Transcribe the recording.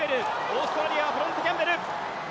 オーストラリアはキャンベル。